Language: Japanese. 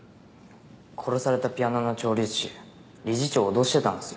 殺されたピアノの調律師理事長を脅してたんですよ。